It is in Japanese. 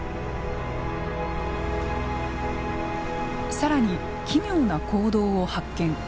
更に奇妙な行動を発見。